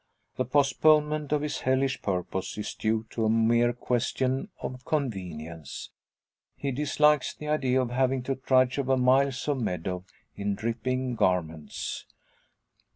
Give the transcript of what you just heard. The postponement of his hellish purpose is due to a mere question of convenience. He dislikes the idea of having to trudge over miles of meadow in dripping garments!